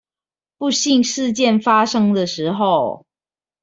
不幸事件發生的時候